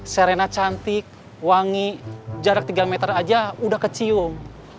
serena cantik wangi jarak tiga meter aja udah kecium